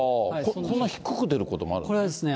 こんな低く出ることもあるんですね。